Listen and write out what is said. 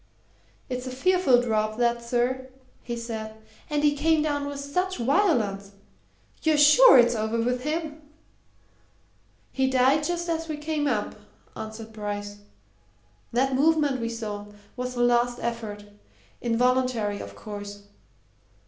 "It's a fearful drop, that, sir," he said. "And he came down with such violence. You're sure it's over with him?" "He died just as we came up," answered Bryce. "That movement we saw was the last effort involuntary, of course.